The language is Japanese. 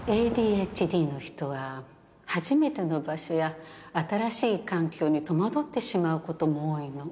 ＡＤＨＤ の人は初めての場所や新しい環境に戸惑ってしまうことも多いの